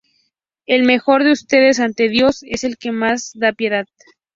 El mejor de ustedes ante Dios es el de más piedad.